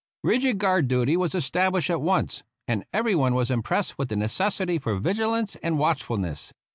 Rigid guard duty was established at once, and everyone was impressed with the necessity for vigilance and watchfulness.